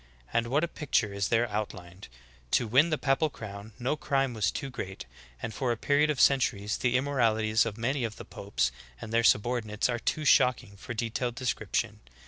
^ And what a picture is there outlined ! To win the papal crown no crime was too great, and for a period of centuries the immoralities of many of the popes and their subordinates are too shocking for detailed descrip tion.